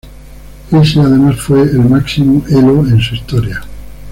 Ese además fue el máximo Elo en su historia.